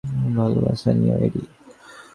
ভালোবাসা নিও, এডি।